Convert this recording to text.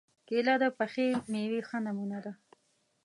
کېله د پخې مېوې ښه نمونه ده.